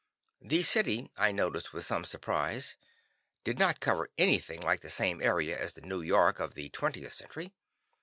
The city, I noticed with some surprise, did not cover anything like the same area as the New York of the 20th Century.